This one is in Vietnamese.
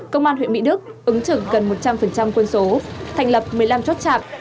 công an huyện mỹ đức ứng trực gần một trăm linh quân số thành lập một mươi năm chốt chạm